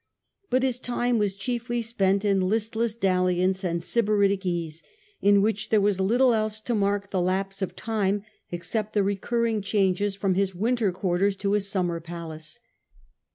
But his time was chiefly spent in listless dalliance and sybaritic ease, in which there was little else to mark the iapse of time except the recurring changes from his 147 * So. Marcus Aurelius Antoninus, 91 winter quarters to his summer palace.